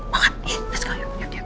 masa sekarang yuk